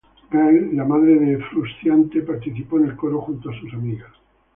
Gail, la madre de Frusciante, participó en el coro junto a sus amigas.